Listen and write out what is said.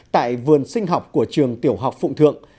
tại vườn sinh học của trường tiểu học phụng thượng